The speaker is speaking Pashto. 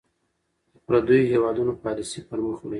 د پرديـو هېـوادونـو پالسـي پـر مــخ وړي .